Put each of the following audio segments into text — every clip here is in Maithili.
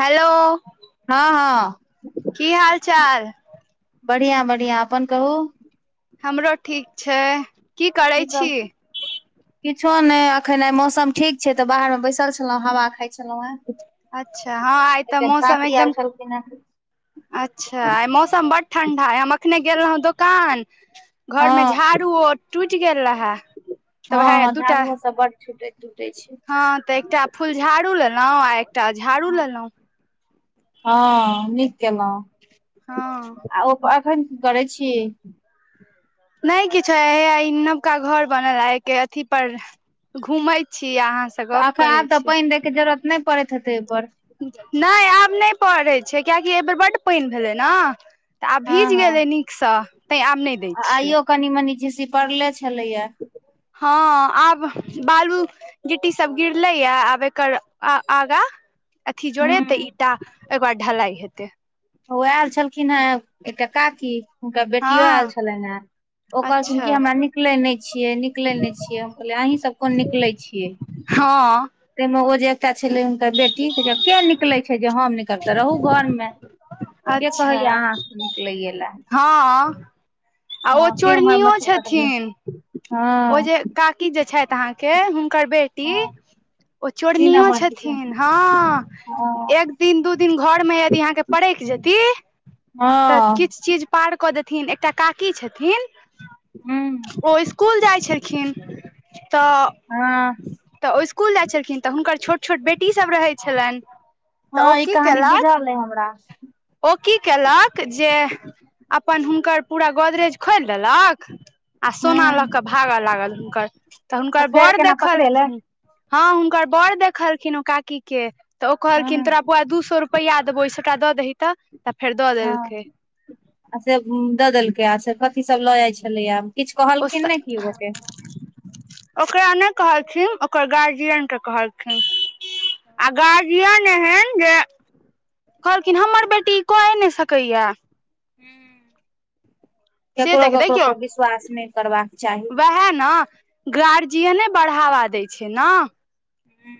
हेलो हँ हँ की हाल चाल? बढ़िया बढ़िआ अपन कहू। हमरो ठीक छै। करै की छी सब किछो नहि अखन आइ मौसम ठीक छै। तऽ बाहर में बैसल छलौ। हवा खााय छलौं हे। अच्छा हँ आइ तऽ मौसम आयल एकदम छलखिन हेँ अच्छा आइ मौसम बड ठंडा ह हम अखने गेल रहौ दोकान। घर में हँ झाड़ू ओ टूटि गेल रहे। तऽ हँ वएह हँ दूटा झाड़ुओ सब बड छूटै तुटै छै। हँ तऽ एकटा फुलझाड़ू लेलहुँ आ एकटा झाड़ू लेलहुँ। हँ नीक केलहुँ हँ आ ओ एखन की करै छी? नहि किछो हैया ई नबका घर बनल हयके अथी पर। घुमै छी अहाँ सब तऽ एखन आब तऽ पानि दै के जरूरत नहि पड़ैत हेतै ओपर। नहि आब नहि पड़ै छै। कियकि एहि बेर बड्ड पानि भेलै ने। तऽ आब हँ भीज हँ गेलै नीकसँ तैं, आब नहि दैत छियै। आइयो कनि मनी झीसी पढ़ले छलैया। हँ आब बालू, गिट्टी सब गिरले य आब एकर आगाँ, अथी जोड़े तऽ हूँ ईटा एकार ढलाई हेतै, ओ आयल छलखिन हेँ, एकआ काकी हुनकर बेटियो आयल हँ छलनि हेँ। ओ कहलखिन अच्छा क हमरा निकले नहि छियै, निकले नहि छियै, हम कहलियै, अहीं सब कोन निकले छियै। हँ। ताहिमे ओ जे एकटा छलै हुनकर बेटी केिया निकलै छै, जे हम निकलते रहू घरमे। के अच्छा कहैया अहाँ सँ निकलै ऐला, हँ आ ओ उम्हर चोरनियो मच्छर कटबै छथिन, ओ हँ जे काकी जे छे, अहाँके हुनकर बेटी, हँ ओ तीन चोरनियो नम्बर के, हँ छथिन हँ। एक दिन दू दिन घरमे यदि अहाँके परक जेती तऽ हँ किछु चीज, पार कऽ देथिन एकटा काकी छथिन, हू, ओ स्कूल जाइ छलखिन तऽ, हँ। तऽ ओ स्कुल जाइत छलखिन तऽ, हुनकर छोट छोट बेटीसभ रहैत छलन। हँ ई कहानी बुझल ह हमरा, ओ की केलक जे अपन हुनकर पूरा गोदरेज खोलि देलक, आ सोना लऽ हूँ कऽ भागय लागल हुनकर तऽ हुनकर फेर बर केना देखल, पकड़ेलै हँ हुनकर बर देखलखिन ओ काकी के तऽ ओ कहलखिन हूँ तोरा बुआ दू सो रूप, रुपैआ देबौ ओहिसटा दऽ दही तऽ तऽ फेर दऽ हँ देलकै। आ से दऽ देलकै आ से कथी सब लऽ जाइ छलैयब। ओस [unintelligible] ओकरा नहि कहलखिन ओकर गार्जियनक के कहलखिन, आ गार्जियन एहन जे, कहलखिन हमर बेटी कऽये नहि सकैएा। ह से केकरो देख ककरो पर विश्वास नहि करबाक चाही। है न। गार्जियने बढ़ावा दै छै ने, हू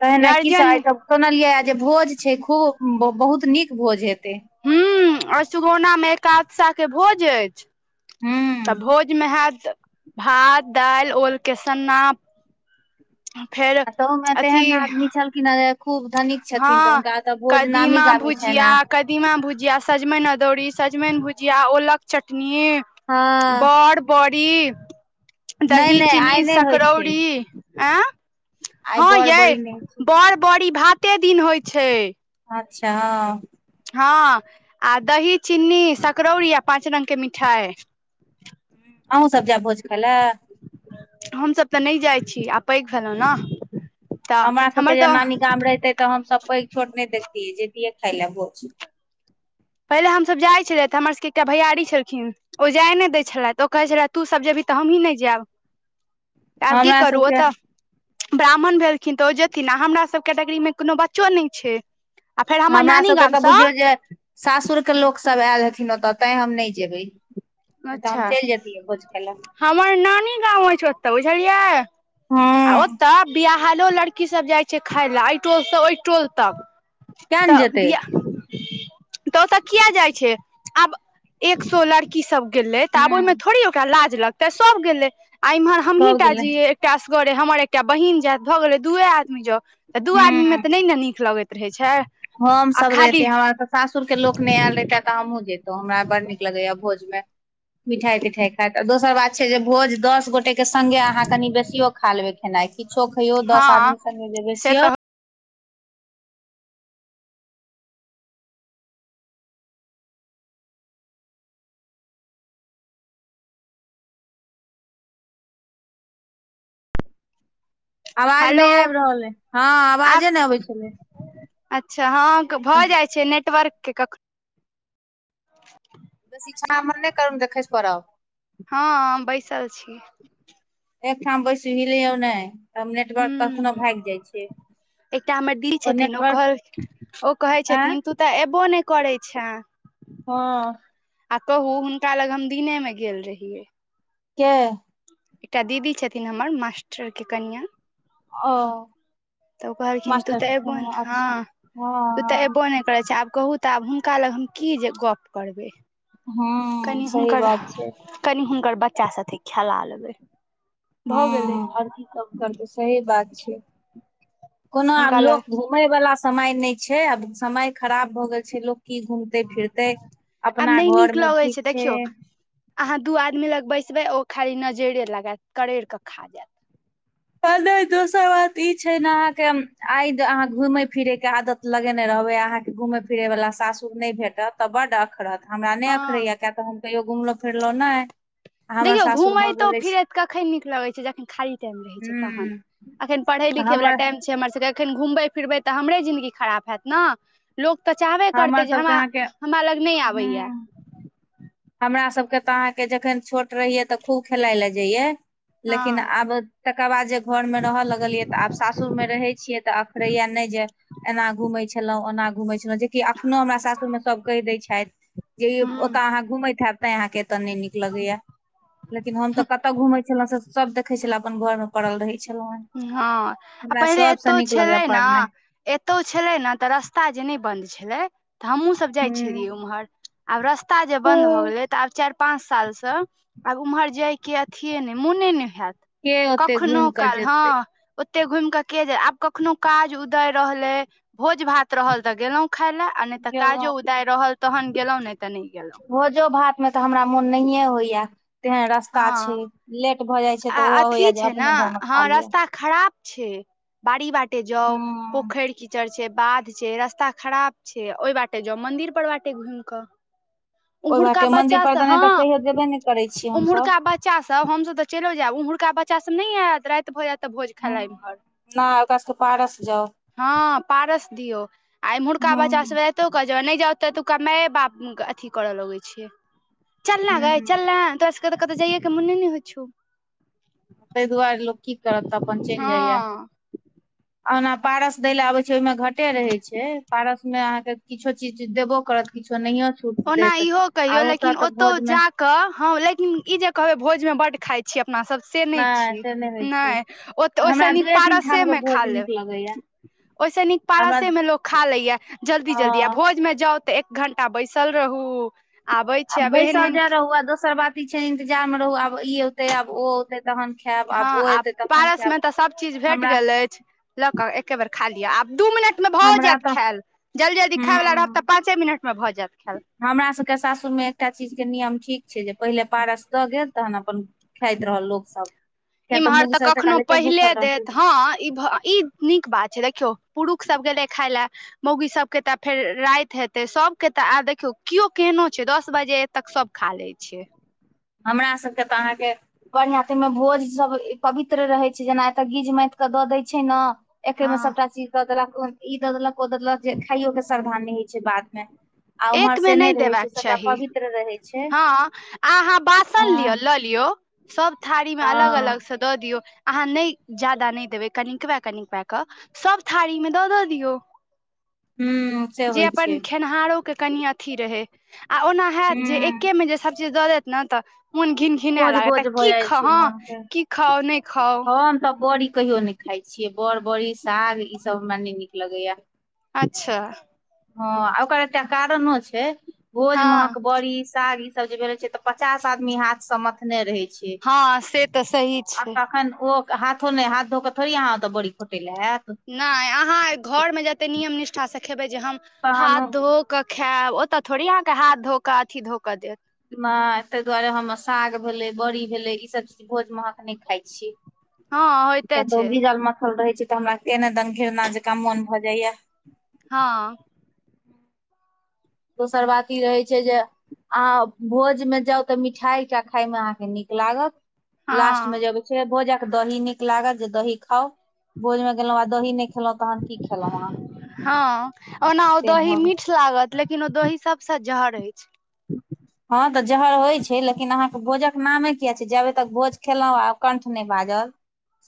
तहिना की सब गार्जियन आ त सुनलियै जे भोज छै खूब बहुत नीक भोज हेतै, हू अ सुगौना मे एकादशा के भोज अछि, तऽ हूँ। भोजमे हत भात दालि ओलके सन्ना, फेर आ तहु मे अथी तेहन आदमी छलखिन ह? खूब धनिक छथिन तऽ हँ हुनका तऽ भोज नामी कदीमा गामी छे भुजिया न, कदीमा भुजिया सजमनि अदौड़ी सजमनि भुजिया ओलक चटनी, हँ बड़ बड़ी नहि दही नहि आइ चीनी नहि होइ छै सकौरी, ए आइ हँ बड़ य बड़ी नहि होइ बड़ बड़ी भाते दिन होइ छै। अच्छा हँ, हँ आ दही चिन्नी सकरौरी आ पाँच रंग के मिठाई अहूँ सब जायब भोज खाय लए? हमसभ तऽ नहि जाइत छी आ पैघ भेलहुँ ने, तऽ हमरा सबके हमर जे तऽ नानी गाम रहितैय तऽ हमसभ पैघ छोट नहि देखतियै जतियै खाय ले भोज। पहिले हमसब जाइ छलयै त हमर सबके एकटा भैयारी छलखिन ओ जाए नहि दै छलथि ओ कहै छलथि तू सब जेबही तऽ हमही नहि जाएब तऽ आब की हमरा करू सबके ओतऽ। ब्राह्मण भेलखिन तऽ ओ जेथिन आ हमर सब कैटगरीमे कोनो बच्चो नहि छैय। हमरा सबके तऽ बुझियौ जे सासुर के लोक सब आयल हथिन ओतऽ तैं हम नहि जेबैय। नहि तऽ हम अच्छा चलि जेैतियै भोज खए लए। हमर नानी गाँंव अछि ओतऽ बुझलियै आ हँ ओतऽ बिआह हालो लड़की सब जाइ छै खााय ला एहि टोलसँ ओहि टोल तक किया ने तऽ जेतै बिआ तऽ ओतऽ किया जाइ छै आब एक सौ लड़की सब गेलै तऽ आब ओहिमे हूँ थोड़ी ओकरा लाज लगतेय सब गेलै आ इमहर हमही सब टा गेलै जिय एकटा सगरे हमर एकटा बहिन जायत भऽ गेले दूए आदमी जउ तऽ दू आदमी मे हूँ तऽ नहि ने नीक लगे [inaudible] छै हम आ सब खाली रहेतीेय हमरा तऽ सासुर के लोक न नहि आयल रते तऽ हमहुँ जैते तौ हमरा बड नीक लगेये या भोज में मिठाई तिठाई खायइत दोसर बात छै जे भोज दस गोटे के संगे अहाँ कनि बेसियो खा लेबे खेनाइ किछो खैयौ दस हँ आदमी सगे जे से बेसियो तऽ आवाज हेलो नहि आबि रहल अइ हँ आवाजे आब नहि अबै छलै? अच्छा हँ इ भऽ जाइ छै नेटवर्क के कख इछा हमर नहि करु नहि त खैस पड़ब। हँ हम बैसल छीयै। एकठाम बैसु हिलियौ नहि तब नेटवर्क कखनो हूँ भागि जाइ छैय। एकटा हमर दी छथिन ओ कहल ओ कहैय आँय छथिन तू तऽ एबो नहि करैय छे? हँ आ कहू हुनका लग हम दिने में गेल रहियै। के? एकटा दीदी छथिन हमर मास्टर के कनियाँ। औ तऽ उ कहलखिन तू तऽ एबो ने अच्छा हँ तू तऽ हँ एबो ने करै छे आब कहू तऽ आब हुनका लग हम की जे गप करबै? हँ सही बात छै। कनी हुनकर बच्चा साथे खैला लेबैय। ह आओर की सब करबै सही बात छै कोनो आब हुनका लग लोक घू मय वाला समय नहि छै आब समय खराब भ गेल छै लोग की घूम तै फिरतै अपना आब नहि घर नीक मे लगैत ठीक छै देखियौ छैय अहाँ दू आदमी लग बैसबै ओ खाली नजैरे लगाएत करेड़ि कऽ खा जाएत। कहले दोसर बात ई छै ने अहाँके आइ अहाँ घुमेय फिरेय के आदत लगेने रहबै अहाँ के घूमे फिरे वाला सासूर नय भेटत तऽ बड् अखरत। हमरा नय हँ अखरैएा किया तऽ हम कहियो घुमलहुँ फिरलहुँ नय। देखियौ घुमयतो फिरै कखैन नीक लगै छै जखन खाली टाइम रहे छै तहन हूँ अखन पढ़ै तऽ लिखै वाला हमर टाइम छै हमर सबके एखन घुमबै फिरबै तऽ हमरे जिन्दगी खराब हैत न। लोक तऽ चाहबे हमर करतै जे सबके हमरा अहाँके हमरा लग नहय आबैएया। हूँ हमरा सबके तऽ अहाँके जखन छोट रहियै तऽ खूब खेलइ लए जइये लेकिन हँ आब तकर बाद जे घरमे रहऽ लगलियै तऽ आब सासुर मे रहे छियै तऽ अखरैया नहि जे एना घूमै छलहुँ ओना घूमै छलहुँ जेकि एखनोहु हमरा सासुरमे सभ कहि दै छइथ जे ओतय ह अहाँ घुमैत हैब। नय अहाँके एतऽ, नइ नीक लगैया लेकिन हम तऽ, कतहु घुमै छलहुँं से सब देखै छले, अपन घर मे पड़ल रहै छलहुँ हेँ हँ आ हमरा पहिले सभसँ एतौ नीक लगैए छलै न, पढ़नाइ एतौ छलै न तऽ, रस्त रस्ता ता जे नइ बन्द छलै, तऽ हमहूँसभ जाइत छलियै हूँ ओम्हर आब रस्ता जे बन्द भऽ गेलै तऽ, आब चाइर पाँच साल सँ आब उम्हर जायके अथिये नै मोने ने हैत के ओते कखनो घुमि कऽ काल जेतै ओते घुम क के आब कखनो काज उदर रहलै भोज भात रहल तऽ गेलहुं खाय ले आ नइ तऽ, काजो गेलहुँ उदा रहल तहन गेलों नइ ते नइ गेलों भोजो भात मे तऽ, हमरा मोन नहिये होइया तेहन रास्ता छै। हँ लेट भऽ जाइ छै, तऽ आ ओहो होइया अथी जे छै ने अपने घरमे हँ खा लिअ रास्ता खराब छै, बाड़ी बाटे जाउ हूँ पोखइर कीचड़ छै, बाध छै, रास्ता खराब छै, ओइ बाटे जाउ मंदिर पर बाटे घुमि कऽ ओहि उम्हुरका बाटे मंदिर बच्चा पर से देने तऽ हँ कहियो जेबे नहि करै छियै हमसभ उम्हुरका बच्च बच्चासभ हमसभ तऽ, चइलो जायब ओमहरका बच्चासभ नय ऐत राइत भऽ जाय तऽ भोज हूँ खेला इमहर नहि ओकरा सबके पारस जाउ [inaudible] हँ पारस दियो आइमुरका हूँ बच्चा सब कतौका जा नय जाउ त एतुका माय बाप अथी करऽ लगैत छै। चलना गय हूँ चलना तोरा सब क तऽ कतहु जाइयएके मने ने होइ छौ। तइह दुआरे लोक की करत तऽ, अपन चइल जाइए। हँ ओना पारस दय ल आबैत छै, ओई मे घाटे रहे छै, पारस में अहाँके किछो चीज देबो करत किछ नहियौ ओना इहो कहियो लेकिन ओतौ मे जाक ह लेकिन ई जे कहबै भोज में बड खाय छै छी अपना सब से नइ नहि छय से नहि होइ छै नय ओ तऽ ओइ हमरा सँ दुए तीन पारसे ठाम के मे खा भोज नीक लेब। लगैया ओइ सँ नीक हमरा पारसे मे लोग खा लेया जल्दी -जल्दी आ हँ भोज में जाउ तऽ एक घं्टा बैसल रहू आबै आ छै आब एहन बैसल एहन जाय रहू आ दोसर बात ई छै, इंतजार मे रहु आब ई औते आब ओ औते तहन खैब। हँ आ पारस मे तऽ, सब चीज भेट हमरा गेल अइछ लऽ कऽ एके बेर खा लिअ आब दू मिनट मे भऽ हमरा जायत तऽ खायल जल्द - जल्दी खाय वालला रहत तऽ हूँ पाँचे मिनट मे भऽ जायत खायल हमरा सभके सासुरमे एकटा चीजके नियम ठीक छै, जे पहिले पारस दऽ गेल तहन अपन खाइत रहल लोक सब किया इम्हर मूग तऽ, सब एतुका कखनो लोक पहिले भूखल रहतै देत हँ ई ई नीक बात छै, देखियौ पुरुख सब गेलै खाय लए मौगी सब के तऽ, फेर राइत हेते सबके तऽ आ देखियौ कियो केहनो छै, दस बजे तक सब खा ले दै छियै हमरा सभके तऽ अहाँके बढ़िआ ताइह मे भोज सभ पवित्र रहै छै, जेना एतय गीज मथिक क दऽ दै छै न एके मे हँ सभटा चीज दऽ, देलक ई दऽ देलक ओ द देलक जे खाइयो के श्रद्धा ने होइ छै, बाद मे आ उम्हर एक मे से नै रहे छै, सबटा पवित्र रहे छै। आहाँ बासन लिया हँ लोलियो सोब थारी मे अलग -अलग हँ सँ दऽ दियौ अहाँ नइ ज्यादा नइ देबै कनिकबै कनिकबै कऽ। सब थारी मे दऽ- दऽ दियौ हूँ से जे होइ अपन छै खेनहारो। कर कनि अथी रहै, आ ओना हेत जे हूँ एके में जे सब चीज दऽ देत नऽ मोन घीन-घीन। ओज-गोज भऽ जाइ छै मोन फेर खाउ नहि खाउ हम तऽ बड़ी कहियो नहि। [unintelligible] खाय छियै बड़- बड़ी साग इऽ सभ हमरा नही नीक लगैया। अच्छा। हँ ओकर एकटा कारणो छै भोज हँ महक बड़ी साग ई, जे भेले छै तऽ पचास आदमी हाथ सँ मथ। [unintelligible] रहै छैय हँ से तऽ सही आऽ छै तखैन ओ, हाथो नहि हाथ धो [unintelligible] कऽ थोड़ी अहाँ ओतऽ बड़ी खोटे लए आयत। नहि अहाँ घरमें जते नियम निष्ठा सँ खेबै जे हम तहन हाथ धो, केऽ खायब ओतऽ थोड़ी अहाँके हाथ धो कऽ अथी धोक कऽ दे, तै दुआरे हम साग भेलै बड़ी भेलै ईसभ चीज भोज हम नहि खाई छी, हँ होइते किया तऽ छै ओ गीजल मथल रहै छै तऽ हमरा केहने दन घिरना जका मोन भए जाइया। [unintelligible] हँ। दोसर बात ई रहै छै जे, आ भोज मे जाउ तऽ मिठाई कऽ खाय मऽ अहाँके नीक लागत लास्ट मे हँ जब, फेर भोजक दही नीक लागत जे दही खाउ, भोज मे गेलहुँ आ दही नहि खेलहुँ तहन की खेलौं वहां, हँ ओना ओ दही गेल मीठ लागत लेकिन ओ दही सभसँ जहर अछि, [inaudible] हँ तऽ जहर होइ छै लेकिन अहाँके भोजक नामे किया छै जेबे तक भोज खेलहुँ आ कंठ नहि बाझल,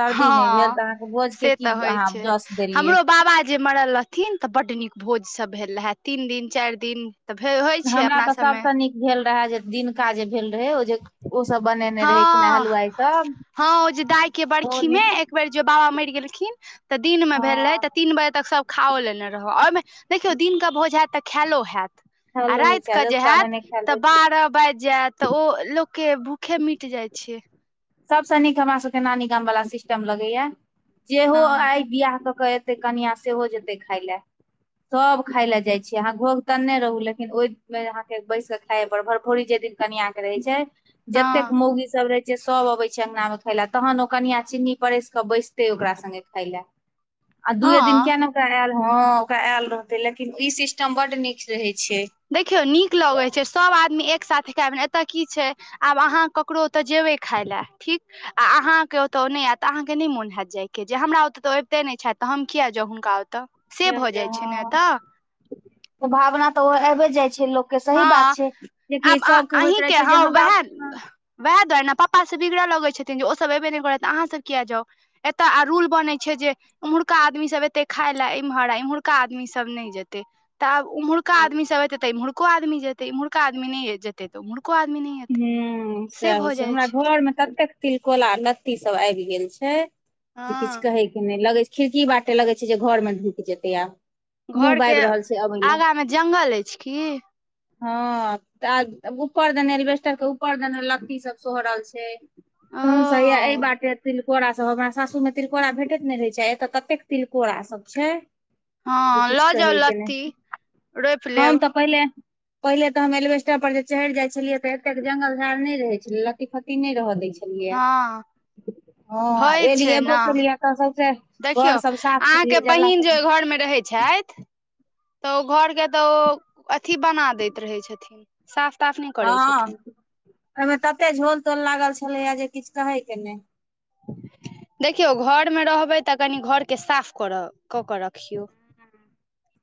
सर्दी नहि भेल हँ तऽ अहाँके से भोजके की तऽ होइ अहाँ छै जस देलियै। हमरो [unintelligible] बाबा जे मरल रहथिन तऽ बड्ड नीक भोजसभ भेल रहै तीन दिन चारि दिन, तऽ फेर होइ छै हमरा अपना तऽ सभमें, सभसँ नीक भेल रहेँ जे दिनका जे भेल रहे ओ जे? ओ सब बने, ने रहे खेनाइ हँ हलुआई सब, हँ ओ जे दाय के ओ बरखी में नीक एक बेेर जे बाबा मैर गेलखिन। तऽ दिनमें भेल रहै हँ तऽ तीन बजे तक सब, खाओ लेने रहूँ आ ओहिमे देखियौ दिनके भोज हैत खैलो हैत, आ खायलो होइ राति छै के जे रतुका मे हैत नहि खायल तऽ होइ छै बारह बाजि जायत। तऽ ओ लोकके भूखे मिट जाइ छै। सबस नीक हमरा सबके नानी गाम वला सिस्टम लगैया, जेहो हँ आइ बियाह कऽ-कऽ एयतै कनिआँ सेहो जेतै खाय लए, सब खाय ले जाइ छियै अहाँ घोघ तैनने रहु लेकिन ओहि मे अहाँके बैस के खायए परत भरफोरी जे दिन, कनियाँ के रहे छै जतेक हँ मोगी सब रहे, जे सब अबै छै अंगना में खाय लए तहन नाऊ कनिया चीन्नी परैस कऽ बैसते ओकरा संगे खाय लऽ, आ दुए दिन हँ किया नै। [unintelligible] आयल हँ ओकरा आयल रहतै लेकिन ई सिस्टम बड नीक रहे छै, देखियौ नीक लगै किया छै सभ आदमी एक साथ खैब ने एतय की छै, आब अहाँ ककरो ओतय जेबै खाय लए ठीक। आ अहाँके ओतय नहि आयत अहाँके नहि मोन होयत जायके जे हमरा ओतय तऽ अबिते नहि छथि तऽ हम किया जाउ हुनका ओत। [unintelligible] तऽ से भऽ जे जाइ छै ने हँ तऽ, भावना तऽ आबे जाइ छै लोक। [unintelligible] से सही हँ बात छै जेकि आब सबके होइत रहे अहीँके छै हँ जे हमरा, उएह वएह दुआरे ने पप्पा से बिगड़ऽ लगै छथिन जे ओसभ एबे नहि करत अहाँ सब किया जाउ, एतय आ रूल बनै छै जे, उम्हुरका आदमी सब एते खाय लए एम्हर आ एम्हुरका आदमी सब नहि जेते। तऽ आब उम्हुरका हूँ आदमी सब एतय तऽ एम्हुरको आदमी जेे ते एमहर्का आदमी नहि जेतै तऽ उमहुरको आदमी नहि एतै से भऽ जाइ छैय। एमें ततेक तिलकोला लत्ती सब आबि गेल छैय जे किछु हँ कहे के नहि लगे छैय खिड़की बाटे लगे छैय जे घर में धुकि जेतै आब। मुँह घर के बाबि रहल छै अबै लए आगा मे जंगल अछि की। हँ तऽ ऊपर देनेे एलबेस्टर के ऊपर देने लत्ती सब सोहरल छैय। ओ तन सहि अय बाटे तिल कोरा सब हमरा सासू मे तिलकोरा भेटैत ने रहै छैय एतऽ कतेक तिलकोरा सब छैय। जे हँ किछु लऽ जाउ कहयके लत्ती नहि रोपि हम लेब तऽ पहिले पहिले ते हम रेलवे स्टड पर जे चढ़ि जाय छलिये ते एते जंगल झाड़ नहि रहे छले लत्ती फत्ती नहि रह दे छैय। हँ। होइ एलियै छैय एबो ने केलियै तऽ सौंसे देखियौ घर सब साफ केलियै अहाँके जल्ला बहिन सब जे घर मे रहै छथि तऽ ओ घर के तऽ ओ अथी बना दैत रहै छथिन। साफ ताफ नहि करै हँ छथिन ओहिमे तते झोल तोल लागल छलैए जे किछु कहे के नहि। देखियौ घरमे रहबै तऽ कनि घरके साफ कऽ कऽ रखियौ।